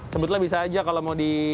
sebutlah bisa saja kalau mau di